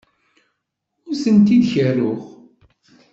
Ur tent-id-kerruɣ.